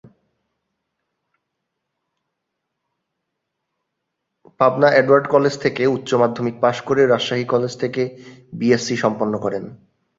Pabna Edward college থেকে উচ্চ মাধ্যমিক পাশ করে রাজশাহী কলেজ থেকে বিএসসি সম্পন্ন করেন।